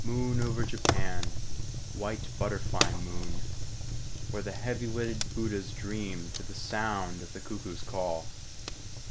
"Moon over Japan, White butterfly moon! Where the heavy lidded Buddhas dream To the sound of the cuckoo's call....